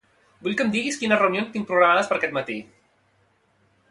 Vull que em diguis quines reunions tinc programades per aquest matí.